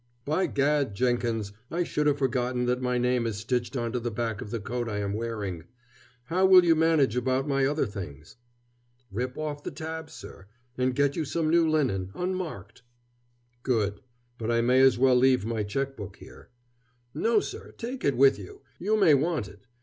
"By gad, Jenkins, I should have forgotten that my name is stitched on to the back of the coat I am wearing. How will you manage about my other things?" "Rip off the tabs, sir, and get you some new linen, unmarked." "Good. But I may as well leave my checkbook here." "No, sir, take it with you. You may want it.